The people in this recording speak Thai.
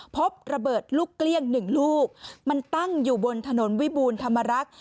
พบระเบิดลูกเกลี้ยงหนึ่งลูกมันตั้งอยู่บนถนนวิบูรณธรรมรักษ์